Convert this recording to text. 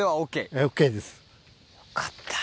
よかった。